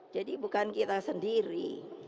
jadi bukan kita sendiri